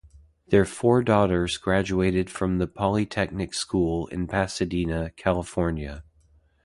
Their four daughters graduated from the Polytechnic School in Pasadena, California.